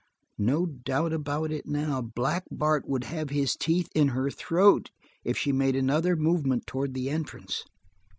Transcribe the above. No doubt about it now. Black Bart would have his teeth in her throat if she made another movement toward the entrance.